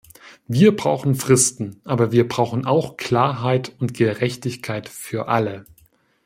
Wir brauchen Fristen, aber wir brauchen auch Klarheit und Gerechtigkeit für alle.